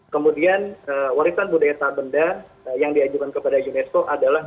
kemudian warisan budaya sabenda yang diajukan kepada unesco adalah